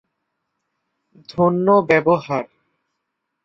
ধন্য ব্যবহার!